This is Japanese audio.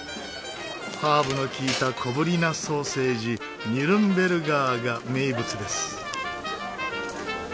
ハーブの利いた小ぶりなソーセージニュルンベルガーが名物です。